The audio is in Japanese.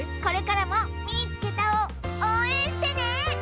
これからも「みいつけた！」をおうえんしてね！